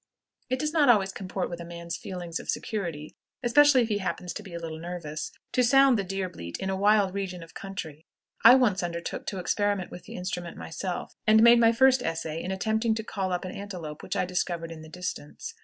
It does not always comport with a man's feelings of security, especially if he happens to be a little nervous, to sound the deer bleat in a wild region of country. I once undertook to experiment with the instrument myself, and made my first essay in attempting to call up an antelope which I discovered in the distance.